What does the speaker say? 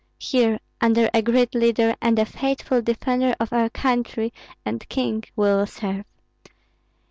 Here under a great leader and a faithful defender of our country and king we will serve.